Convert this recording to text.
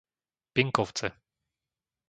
Pinkovce